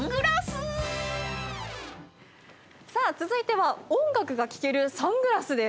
［続いては音楽が聴けるサングラス］